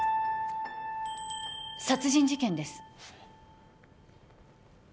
殺人事件ですえっ？